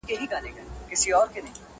o مه وکې ها منډه، چي دي کونه سي بربنډه!